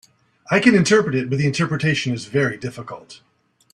I can interpret it, but the interpretation is very difficult.